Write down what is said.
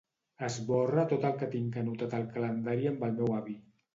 Esborra tot el que tinc anotat al calendari amb el meu avi.